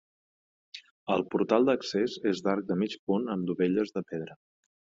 El portal d'accés és d'arc de mig punt amb dovelles de pedra.